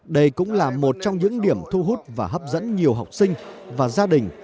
đây cũng là một trong những điểm thu hút và hấp dẫn nhiều học sinh và gia đình